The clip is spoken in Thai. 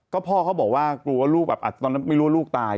ก็พ่อเขาบอกว่ากลัวว่าลูกแบบตอนนั้นไม่รู้ว่าลูกตาย